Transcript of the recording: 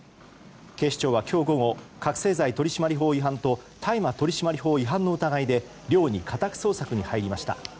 警視庁は今日午後覚醒剤取締法違反と大麻取締法違反の疑いで寮に家宅捜索に入りました。